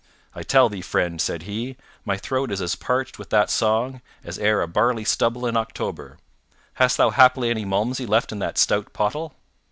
"I tell thee, friend," said he, "my throat is as parched with that song as e'er a barley stubble in October. Hast thou haply any Malmsey left in that stout pottle?"